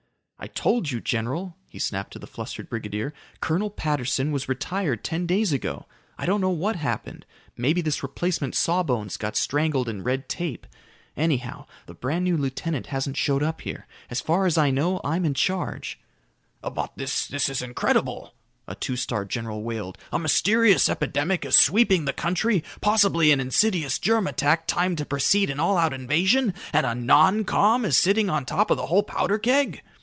"I told you, general," he snapped to the flustered brigadier, "Colonel Patterson was retired ten days ago. I don't know what happened. Maybe this replacement sawbones got strangled in red tape. Anyhow, the brand new lieutenant hasn't showed up here. As far as I know, I'm in charge." "But this is incredible," a two star general wailed. "A mysterious epidemic is sweeping the country, possibly an insidious germ attack timed to precede an all out invasion, and a noncom is sitting on top of the whole powder keg."